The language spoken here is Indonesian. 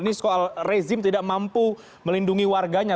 ini soal rezim tidak mampu melindungi warganya